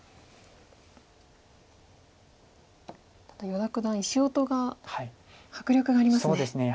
依田九段石音が迫力がありますね。